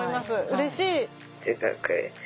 うれしい。